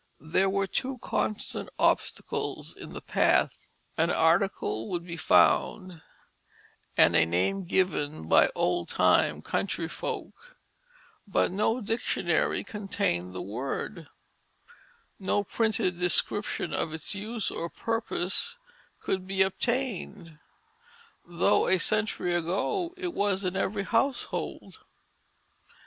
_ _There were two constant obstacles in the path: An article would be found and a name given by old time country folk, but no dictionary contained the word, no printed description of its use or purpose could be obtained, though a century ago it was in every household.